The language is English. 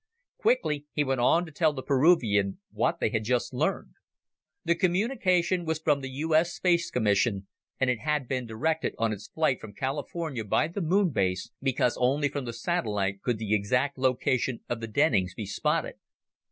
Quickly, he went on to tell the Peruvian what they had just learned. The communication was from the U.S. Space Commission and it had been directed on its flight from California by the Moon Base, because only from the satellite could the exact location of the Dennings be spotted.